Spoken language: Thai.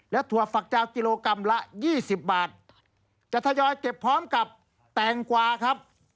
และถั่วฝักเจ้ากิโลกรัมละยี่สิบบาทจะทยอยเก็บพร้อมกับแตงกวาครับ